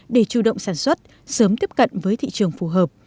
để chủ động sản xuất sớm tiếp cận với thị trường phù hợp